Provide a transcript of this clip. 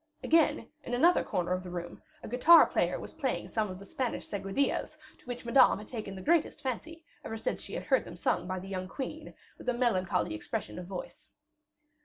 Again, in another corner of the room, a guitar player was playing some of the Spanish seguedillas, to which Madame had taken the greatest fancy ever since she had heard them sung by the young queen with a melancholy expression of voice.